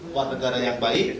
warga negara yang baik